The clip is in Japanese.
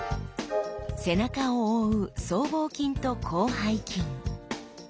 背中を覆う僧帽筋と広背筋。